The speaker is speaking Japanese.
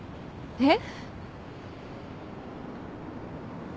えっ？